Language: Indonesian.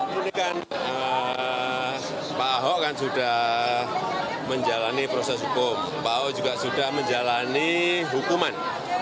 ini kan pak ahok kan sudah menjalani proses hukum pak ahok juga sudah menjalani hukuman